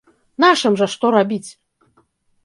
Нашым жа што рабіць?